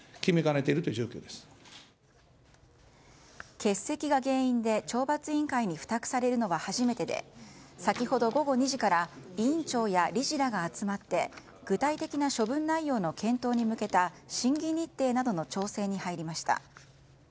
欠席が原因で懲罰委員会に付託されるのは初めてで先ほど午後２時から委員長や理事らが集まって具体的な処分内容の検討に向けた審議日程などの調整に入りました。